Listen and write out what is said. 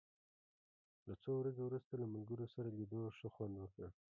له څو ورځو وروسته له ملګرو سره لیدو ښه خوند وکړ.